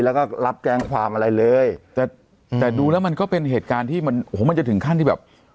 แล้วก็รับแจ้งความอะไรเลยแต่แต่ดูแล้วมันก็เป็นเหตุการณ์ที่มันโอ้โหมันจะถึงขั้นที่แบบ